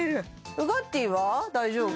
ウガッティーは大丈夫？